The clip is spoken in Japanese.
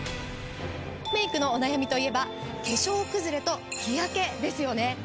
メイクのお悩みといえば化粧崩れと日焼けですよね。